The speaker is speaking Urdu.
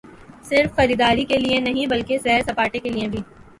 صرف خریداری کیلئے نہیں بلکہ سیر سپاٹے کیلئے بھی۔